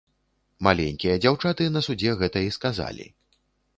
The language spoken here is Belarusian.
Маленькія дзяўчаты на судзе гэта і сказалі.